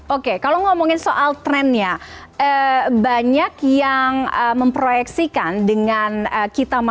oke kalau ngomongin soal trendnya banyak yang memproyeksikan dengan kita masuk ke digital ya mbak